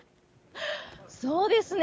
そうですね。